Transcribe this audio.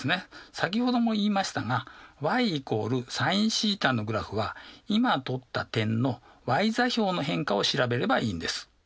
先ほども言いましたがｙ＝ｓｉｎθのグラフは今取った点のｙ座標の変化を調べればいいんです。